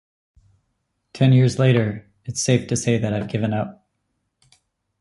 Ten years later, its safe to say that I've given up.